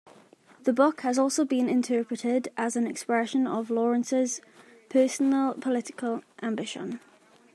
The book has also been interpreted as an expression of Lawrence's personal political ambition.